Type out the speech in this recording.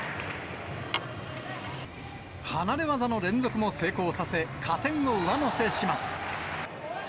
離れ技の連続技も成功させ、加点を上乗せします。